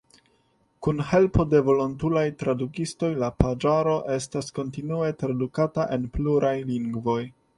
Kun helpo de volontulaj tradukistoj la paĝaro estas kontinue tradukata en pluaj lingvoj.